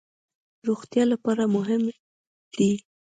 د هوا کیفیت د روغتیا لپاره مهم دی.